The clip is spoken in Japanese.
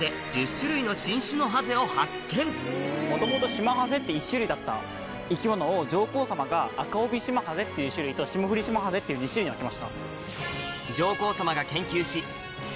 これまで元々シマハゼって１種類だった生き物を上皇さまがアカオビシマハゼっていう種類とシモフリシマハゼっていう２種類に分けました。